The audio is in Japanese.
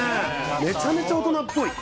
めちゃめちゃ大人っぽい。